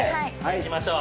いきましょう。